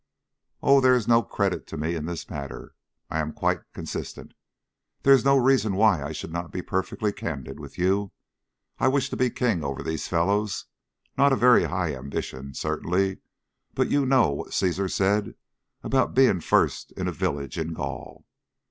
"Oh, there is no credit to me in the matter. I am quite consistent. There is no reason why I should not be perfectly candid with you. I wish to be king over these fellows not a very high ambition, certainly, but you know what Caesar said about being first in a village in Gaul.